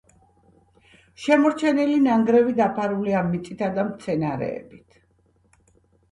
შემორჩენილი ნანგრევი დაფარულია მიწითა და მცენარეებით.